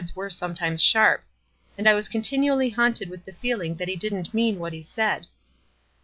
were sometimes sharp; and I was continually haunted with the feeling that he didn't mean what he said."